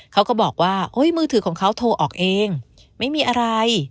เขาก็บอกว่ามือถือของเขาโทรออกเองไม่มีอะไร